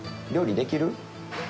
料理できる？